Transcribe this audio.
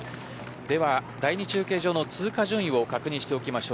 では第２中継所の通過順位を確認しておきましょう。